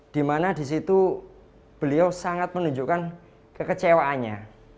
dimana disitu beliau sangat menunjukkan kekecewaannya